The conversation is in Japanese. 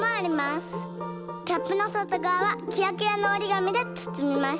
キャップのそとがわはキラキラのおりがみでつつみました。